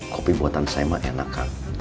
kopi buatan saya mah enak kan